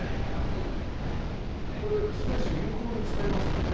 これスペース有効に使えますもんね。